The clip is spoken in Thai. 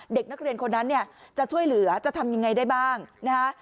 เด็กนักเรียนคนนั้นเนี่ยจะช่วยเหลือจะทำยังไงได้บ้างนะฮะ